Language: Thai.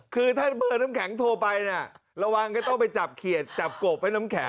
คือถ้าเบอร์น้ำแข็งโทรไปน่ะระวังก็ต้องไปจับเขียดจับกบให้น้ำแข